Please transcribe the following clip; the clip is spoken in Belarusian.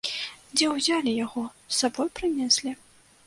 Дзе ўзялі яго, з сабой прынеслі?